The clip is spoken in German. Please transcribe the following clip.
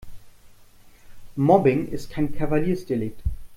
Mobbing ist kein Kavaliersdelikt.